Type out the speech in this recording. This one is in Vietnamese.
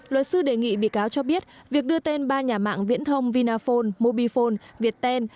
luật sư đề nghị bị cáo cho biết việc đưa tên ba nhà mạng viễn thông vinaphone mobifone viettel